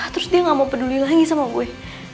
terus dia gak mau peduli lagi sama gue